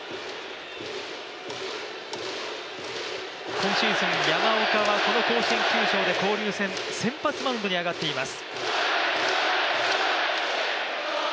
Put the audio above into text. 今シーズン山岡はこの甲子園球場で交流戦、先発マウンドに上がっています。